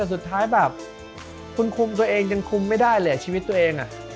แต่สุดท้ายแบบคุณคุมตัวเองยังคุมไม่ได้เลยชีวิตตัวเอง